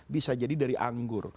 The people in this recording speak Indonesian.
bisa jadi dari anggur